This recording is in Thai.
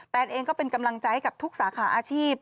แนนเองก็เป็นกำลังใจให้กับทุกสาขาอาชีพ